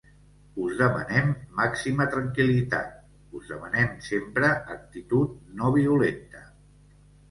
Us demanem màxima tranquil·litat, us demanem sempre actitud no violenta.